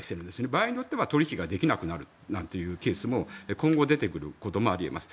場合によっては取引ができなくなるというケースも今後、出てくることもあり得ます。